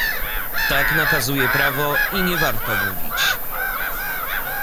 "Tak nakazuje prawo i nie warto mówić."